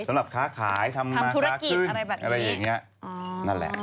สำหรับค้าขายทำมาค้ากินอะไรอย่างนี้นั่นแหละ